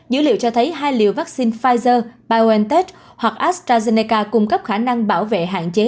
dữ liệu cho thấy hai liều vaccine pfizer biontech hoặc astrazeneca cung cấp khả năng bảo vệ hạn chế